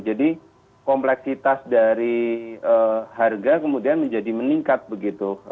jadi kompleksitas dari harga kemudian menjadi meningkat begitu